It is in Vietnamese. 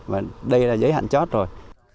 và đây là giấy hạn chót rồi